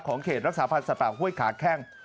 ของเขตรักษาแผ่นสัตว์ป่าห้วยขาแข้ง